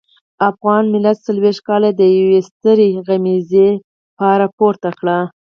افغان ملت څلويښت کاله د يوې سترې غمیزې بار پورته کړ.